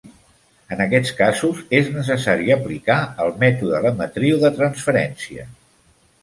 En aquests casos, és necessari aplicar el mètode de matriu de transferència.